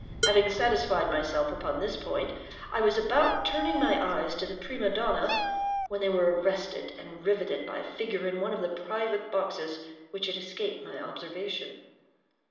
Having satisfied myself upon this point, I was about turning my eyes to the prima donna, when they were arrested and riveted by a figure in one of the private boxes which had escaped my observation.